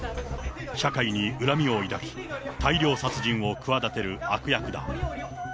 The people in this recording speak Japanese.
社会に恨みを抱き、大量殺人を企てる悪役だ。